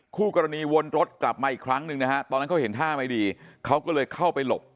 คู่กรณีวนรถกลับมาอีกครั้งหนึ่งนะฮะตอนนั้นเขาเห็นท่าไม่ดีเขาก็เลยเข้าไปหลบ